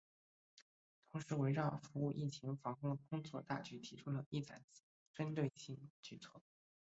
同时围绕服务疫情防控工作大局提出了“一揽子”针对性举措